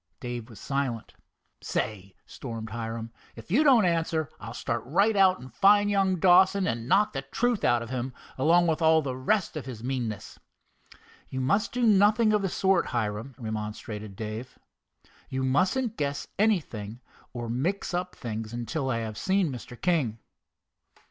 Dave was silent. "Say," stormed Hiram, "if you don't answer, I'll start right out and find young Dawson, and knock the truth out of him, along with all the rest of his meanness." "You must do nothing of the sort, Hiram," remonstrated Dave. "You mustn't guess anything, or mix up things, until I have seen Mr. King."